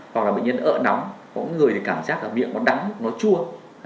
hoặc là bệnh nhân ợ nóng có người thì cảm giác miệng nó đắng nó chua